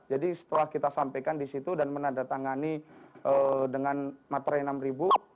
jadi setelah kita sampaikan di situ dan menandatangani dengan materai rp enam